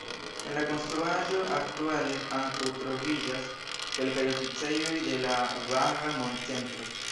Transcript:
En la konstruaĵo aktuale ankaŭ troviĝas kelkaj oficejoj de la "Bahaa Mond-Centro".